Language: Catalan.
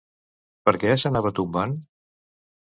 Per què s'anava tombant?